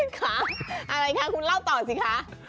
อะไรคะคุณเล่าต่อสิคะ